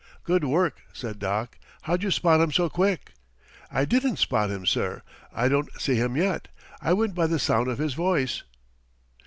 "Good work," said Doc. "How'd you spot him so quick?" "I didn't spot him, sir. I don't see him yet. I went by the sound of his voice."